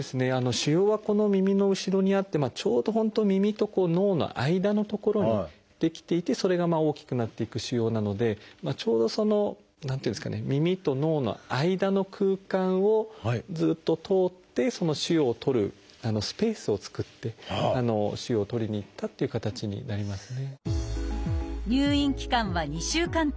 腫瘍はこの耳の後ろにあってちょうど本当耳と脳の間の所に出来ていてそれが大きくなっていく腫瘍なのでちょうど何ていうんですかね耳と脳の間の空間をずっと通って腫瘍を取るスペースを作って腫瘍を取りに行ったっていう形になりますね。